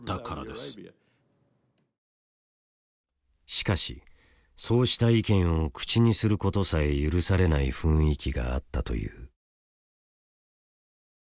しかしそうした意見を口にすることさえ許されない雰囲気があったという。